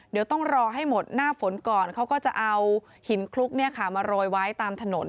เดี๋ยวต้องรอให้หมดหน้าฝนก่อนเขาก็จะเอาหินคลุกมาโรยไว้ตามถนน